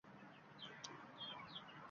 – To‘g‘ri, do‘stlarning ko‘p bo‘lgani yaxshi